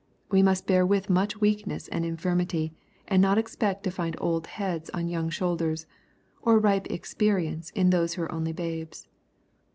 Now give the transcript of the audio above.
We must bear with much weakness and infirmity, and not expect to find old heads on young shoulders, or ripe expe rience in those who are only babes.